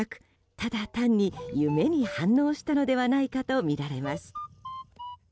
ただ単に、夢に反応したのではないかとみられます。